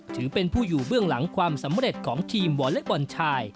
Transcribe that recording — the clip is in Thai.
ถือเป็นผู้อยู่เบื้องหลังความสำเร็จของทีมวอเล็กบอลชาย